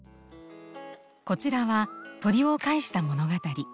こちらは鳥を介した物語。